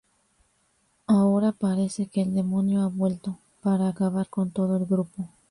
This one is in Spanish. Ahora parece que el demonio ha vuelto para acabar con todo el grupo.